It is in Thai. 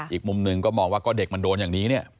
อีกมุมหนึ่งก็มองว่าก็เด็กมันโดนอย่างนี้เนี่ย